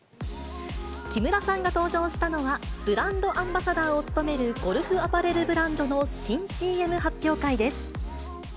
木村さんが登場したのは、ブランドアンバサダーを務めるゴルフアパレルブランドの新ＣＭ発表会です。